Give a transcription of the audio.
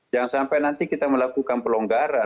jangan sampai nanti kita melakukan pelonggaran